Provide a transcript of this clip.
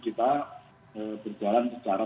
kita berjalan secara